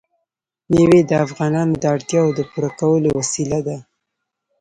مېوې د افغانانو د اړتیاوو د پوره کولو وسیله ده.